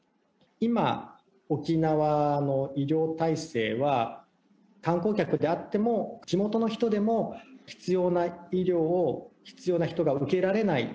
今、沖縄の医療体制は、観光客であっても、地元の人でも、必要な医療を必要な人が受けられない。